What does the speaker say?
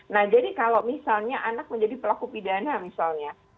nah jadi kalau misalnya anak menjadi pelaku pidana misalnya